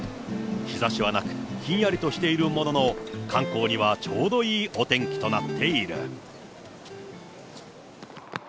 日ざしはなく、ひんやりとしているものの、観光にはちょうどいいお天気となっている。